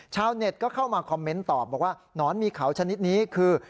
ชาวเน็ตก็เข้ามาคอมเมนต์ตอบบอกว่าหนอนมีเขาชนิดนี้คือ